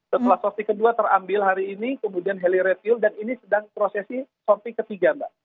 setelah sostik kedua terambil hari ini kemudian heli retiu dan ini sedang prosesi softy ketiga mbak